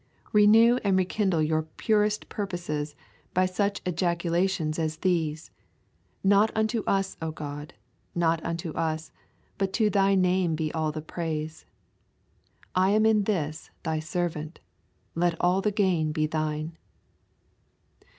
Renew and rekindle your purest purposes by such ejaculations as these: "Not unto us, O God, not unto us, but to Thy name be all the praise. I am in this Thy servant; let all the gain be Thine."